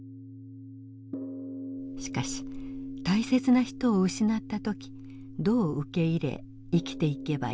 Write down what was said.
しかし大切な人を失った時どう受け入れ生きていけばいいのか。